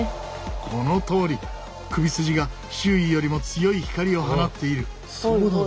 このとおり首筋が周囲よりも強い光を放っている。